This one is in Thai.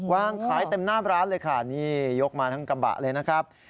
วางขายเต็มหน้าร้านเลยค่ะนี่ยกมาทั้งกระบะเลยนะครับ